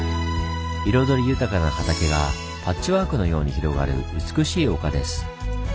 彩り豊かな畑がパッチワークのように広がる美しい丘です。